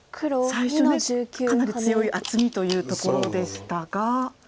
最初かなり強い厚みというところでしたが。